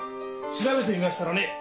調べてみましたらね